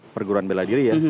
perguruan beladiri ya